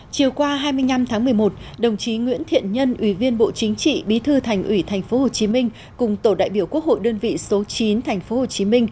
chiều qua hai mươi năm tháng một mươi một đồng chí nguyễn thiện nhân ủy viên bộ chính trị bí thư thành ủy tp hcm cùng tổ đại biểu quốc hội đơn vị số chín tp hcm